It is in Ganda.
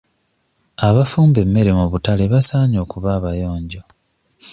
Abafumba emmere mu butale basaanye okuba abayonjo.